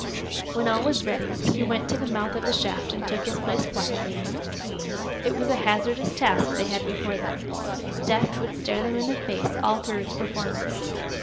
When all was ready, he went to the mouth of the shaft and took his place quietly. It was a hazardous task they had before them. Death would stare them in the face all through its performance.